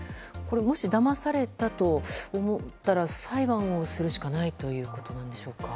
もしだまされたと思ったら裁判をするしかないということでしょうか？